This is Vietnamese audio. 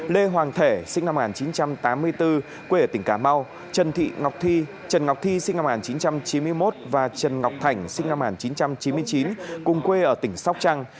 trần thị ngọc thi sinh năm một nghìn chín trăm chín mươi một và trần ngọc thảnh sinh năm một nghìn chín trăm chín mươi chín cùng quê ở tỉnh sóc trăng